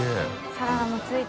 サラダも付いて。